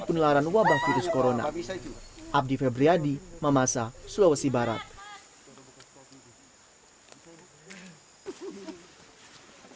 penularan wabah virus corona abdi febriadi memasak slowest time